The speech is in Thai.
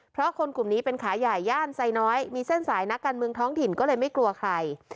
เพราะคนกลุ่มนี้เป็นขาใหญ่ย่านไซน้อยมีเส้นสายนักการเมืองท้องถิ่นก็เลยไม่กลัวใคร